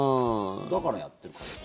だからやってる感じです。